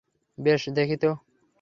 বেশ, দেখি তো।